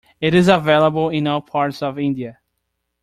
It is available in all parts of India.